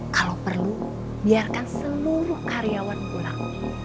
kalau perlu biarkan seluruh karyawan pulang